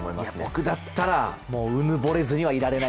僕だったら、うぬぼれずにはいられない。